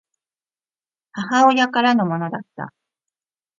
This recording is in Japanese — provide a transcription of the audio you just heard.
母親からのものだった